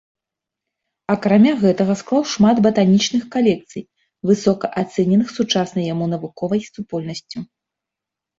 Акрамя гэтага склаў шмат батанічных калекцый, высока ацэненых сучаснай яму навуковай супольнасцю.